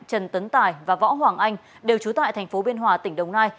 trần tấn tài và võ hoàng anh đều trú tại thành phố biên hòa tỉnh đồng nai